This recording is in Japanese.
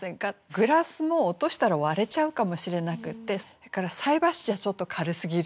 グラスも落としたら割れちゃうかもしれなくてそれから菜箸じゃちょっと軽すぎるよね。